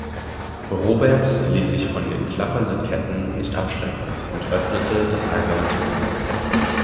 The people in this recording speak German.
Robert ließ sich von den klappernden Ketten nicht abschrecken und öffnete das eiserne Tor.